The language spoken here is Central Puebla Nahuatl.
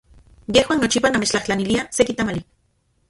Yejuan nochipa namechtlajtlaniliaj seki tamali.